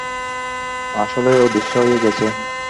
আসলেই অদৃশ্য হয়ে গেছে।